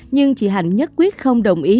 nhưng chị hạnh nhất quyết không đồng ý